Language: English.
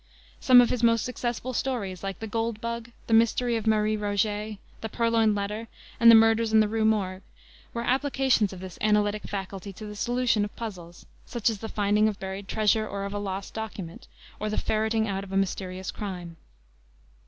Some of his most successful stories, like the Gold Bug, the Mystery of Marie Roget, the Purloined Letter, and the Murders in the Rue Morgue, were applications of this analytic faculty to the solution of puzzles, such as the finding of buried treasure or of a lost document, or the ferreting out of a mysterious crime.